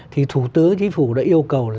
thì thủ tướng chính phủ đã yêu cầu là